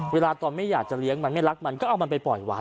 เวลาตอนไม่อยากจะเลี้ยงมันไม่รักมันก็เอามันไปปล่อยวัด